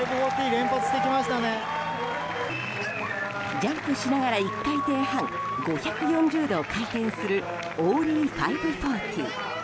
ジャンプしながら１回転半５４０度回転するオーリー５４０。